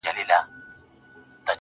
په مړاوو گوتو كي قوت ډېر سي.